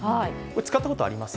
使ったことあります？